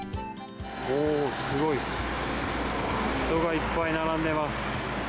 お、すごい、人がいっぱい並んでいます。